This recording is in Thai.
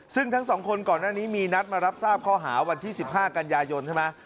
ซึ่งทั้งสองคนก่อนหน้านี้มีนัดมารับทราบข้อหาวันที่๑๕กันยายนใช่ไหม